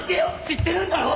知ってるんだろ！？